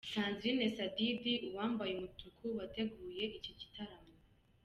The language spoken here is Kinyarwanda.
sandrine Sadidi, uwambaye umutuku wateguye iki gitaramo.